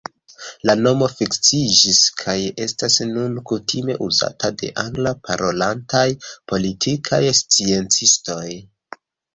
La nomo fiksiĝis kaj estas nun kutime uzata de angla-parolantaj politikaj sciencistoj.